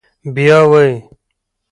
بيا وايي: